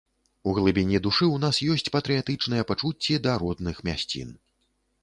У глыбіні душы ў нас ёсць патрыятычныя пачуцці да родных мясцін.